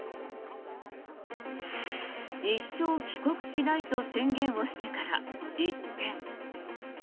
一生帰国しないと宣言をしてから一転。